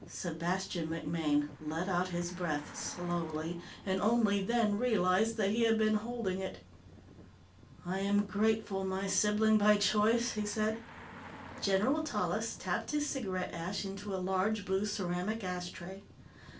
Sebastian MacMaine let out his breath slowly, and only then realized that he had been holding it. "I am grateful, my sibling by choice," he said. General Tallis tapped his cigarette ash into a large blue ceramic ashtray.